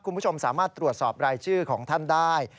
คุณผู้ชมสามารถตรวจสอบรายชื่อของท่านได้